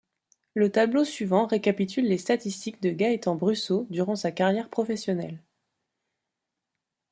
Le tableau suivant récapitule les statistiques de Gaëtan Brusseau durant sa carrière professionnelle.